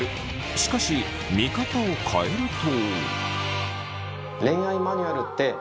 しかし見方を変えると。